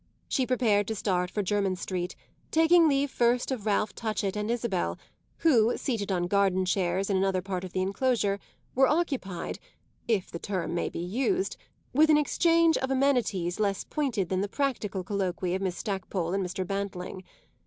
She prepared to start for Jermyn Street, taking leave first of Ralph Touchett and Isabel, who, seated on garden chairs in another part of the enclosure, were occupied if the term may be used with an exchange of amenities less pointed than the practical colloquy of Miss Stackpole and Mr. Bantling.